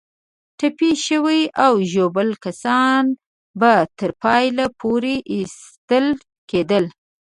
ټپي شوي او ژوبل کسان به تر پله پورې ایستل کېدل.